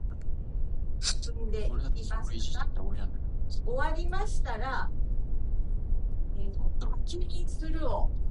Viserys Targaryen is the exiled prince and heir of the Targaryen dynasty.